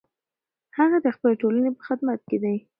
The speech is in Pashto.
هغه د خپلې ټولنې په خدمت کې دی.